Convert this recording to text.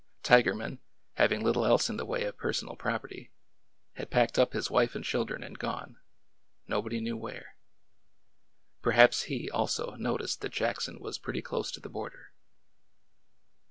Tigerman, having little else in the way of personal property, had packed up his wife and children and gone— nobody knew where. Per haps he, also, noticed that Jackson was pretty close to the border.